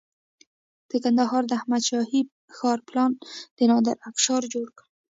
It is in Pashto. د کندهار د احمد شاهي ښار پلان د نادر افشار جوړ کړ